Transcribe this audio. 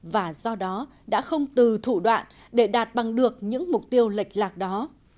và do đó đã không từ thủ đoạn để đạt bằng được những mục tiêu lệch lạc đó